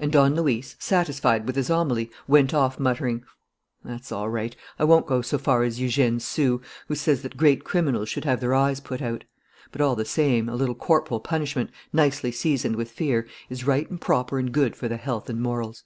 And Don Luis, satisfied with his homily, went off, muttering: "That's all right. I won't go so far as Eugène Sue, who says that great criminals should have their eyes put out. But, all the same, a little corporal punishment, nicely seasoned with fear, is right and proper and good for the health and morals."